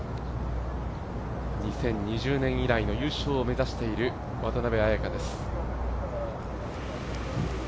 ２０２０年以来の優勝を目指している渡邉彩香です。